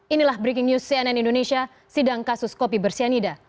inilah breaking news cnn indonesia sidang kasus kopi bersianida